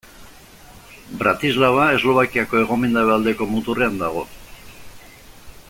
Bratislava Eslovakiako hegomendebaldeko muturrean dago.